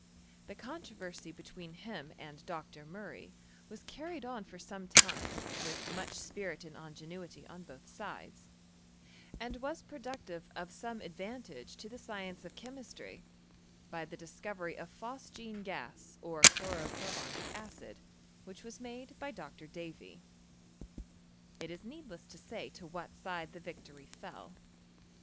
The controversy between him and Dr. Murray was carried on for some time with much spirit and ingenuity on both sides, and was productive of some advantage to the science of chemistry, by the discovery of phos gene gas or chlorocarbonic acid, which was made DT Dr. Davy. It is needless to say to what side the Tictory fell.